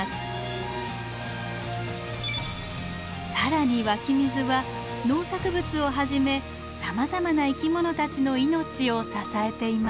更に湧き水は農作物をはじめさまざまな生き物たちの命を支えています。